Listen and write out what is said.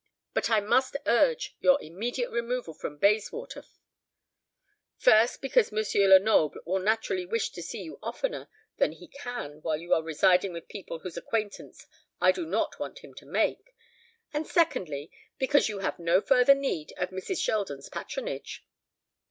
But I must urge your immediate removal from Bayswater; first, because M. Lenoble will naturally wish to see you oftener than he can while you are residing with people whose acquaintance I do not want him to make; and secondly, because you have no further need of Mrs. Sheldon's patronage."